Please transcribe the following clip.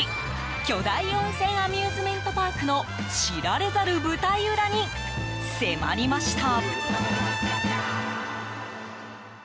巨大温泉アミューズメントパークの知られざる舞台裏に迫りました。